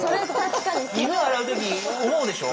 犬洗う時思うでしょ？